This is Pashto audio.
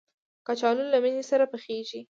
کچالو له مېنې سره پخېږي